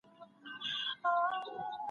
مځکه د ژوند لپاره مناسب ځای دی.